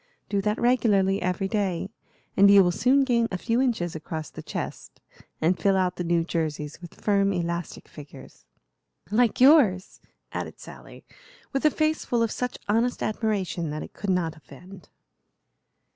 "Do that regularly every day, and you will soon gain a few inches across the chest and fill out the new jerseys with firm, elastic figures." "Like yours," added Sally, with a face full of such honest admiration that it could not offend.